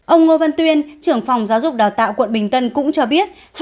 ông ngô văn tuyên trưởng phòng giáo dục đào tạo quận bình tân cũng cho biết